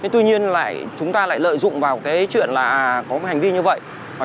tuy nhiên chúng ta lại lợi dụng vào cái chuyện là có hành vi như vậy